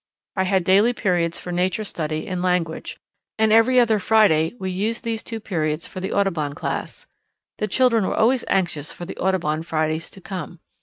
I had daily periods for nature study and language, and every other Friday we used these two periods for the Audubon Class. The children were always anxious for the Audubon Fridays to come.